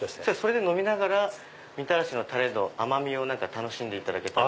飲みながらみたらしのタレの甘味を楽しんでいただけたら。